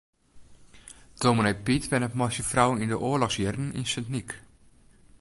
Dominee Pyt wennet mei syn frou yn de oarlochsjierren yn Sint Nyk.